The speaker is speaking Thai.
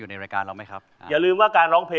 ต้องรักว่ากับว่ารักเธอ